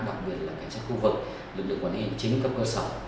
đặc biệt là cảnh sát khu vực lực lượng quản lý hành chính cấp cơ sở